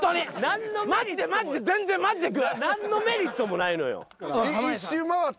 何のメリットもないのよ。